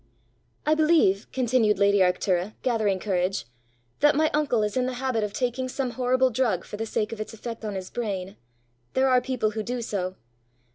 "I believe," continued lady Arctura, gathering courage, "that my uncle is in the habit of taking some horrible drug for the sake of its effect on his brain. There are people who do so!